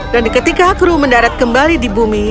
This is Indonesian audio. ketika kru mendarat kembali di bumi